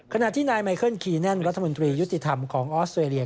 ขณะที่นายไมเคิลคีแน่นรัฐมนตรียุติธรรมของออสเตรเลีย